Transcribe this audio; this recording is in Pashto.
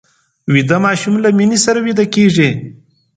ویده ماشوم له مینې سره ویده کېږي